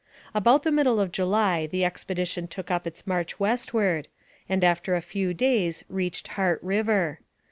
About the middle of July the expedition took up its march westward, and after a few days reached Heart River.